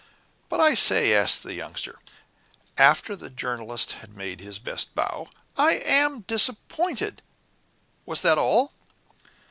"But I say," asked the Youngster, after the Journalist had made his best bow. "I AM disappointed. Was that all?"